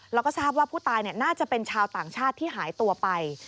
แล้วก็ทราบว่าผู้ตายน่าจะเป็นชาวต่างชาติที่หายตัวไป